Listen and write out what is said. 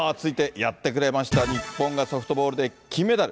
続いてやってくれました、日本がソフトボールで金メダル。